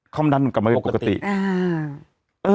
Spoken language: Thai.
ความดันออกก็ปรกติอ่า